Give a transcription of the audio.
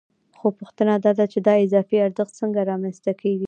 خو پوښتنه دا ده چې دا اضافي ارزښت څنګه رامنځته کېږي